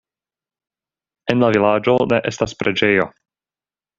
En la vilaĝo ne estas preĝejo.